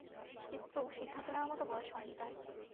কিন্তু সিদ্ধান্ত নেয়ার মত বয়স হয়নি তার।